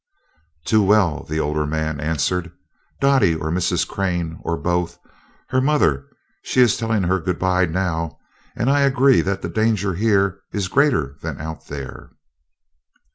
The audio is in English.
"Too well," the older man answered. "Dottie or Mrs. Crane, or both. Her mother she is telling her goodbye now and I agree that the danger here is greater than out there."